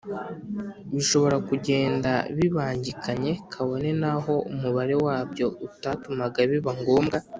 bishobora kugenda bibangikanye kabone naho Umubare wabyo utatumaga biba ngombwa